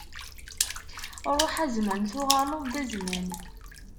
Ṛuḥ a zzman, tuɣaleḍ-d a zzman!